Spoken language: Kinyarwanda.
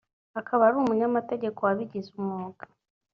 akaba ari umunyamategeko wabigize umwuga